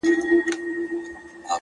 خلگو شتنۍ د ټول جهان څخه راټولي كړې ـ